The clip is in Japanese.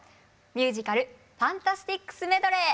ミュージカル「ファンタスティックスメドレー」。